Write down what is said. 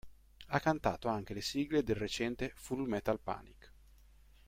Ha cantato anche le sigle del recente "Full Metal Panic!